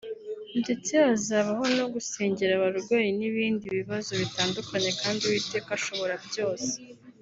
ndetse hazabaho no gusengera abarwayi n'ibindi bibazo bitandukanye kandi Uwiteka ashobora byose